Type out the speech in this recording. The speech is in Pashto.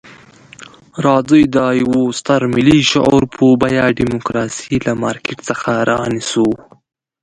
راځئ د یوه ستر ملي شعور په بیه ډیموکراسي له مارکېټ څخه رانیسو.